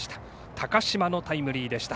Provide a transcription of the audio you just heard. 高嶋のタイムリーでした。